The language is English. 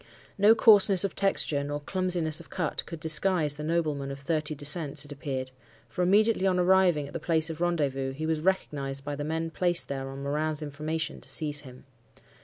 No coarseness of texture, nor clumsiness of cut could disguise the nobleman of thirty descents, it appeared; for immediately on arriving at the place of rendezvous, he was recognized by the men placed there on Morin's information to seize him.